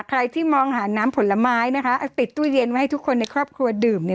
ใครที่มองหาน้ำผลไม้นะคะติดตู้เย็นไว้ให้ทุกคนในครอบครัวดื่มเนี่ย